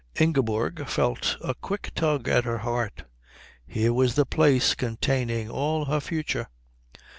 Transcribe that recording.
Ingeborg felt a quick tug at her heart. Here was the place containing all her future.